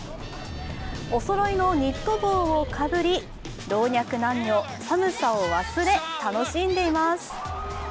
おそろいのニット帽をかぶり老若男女、寒さを忘れ楽しんでいます。